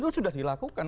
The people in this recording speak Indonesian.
ini sudah dilakukan